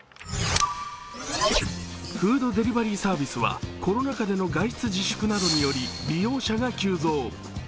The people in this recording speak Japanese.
フードデリバリーサービスはコロナ禍での外出自粛などにより利用者が急増。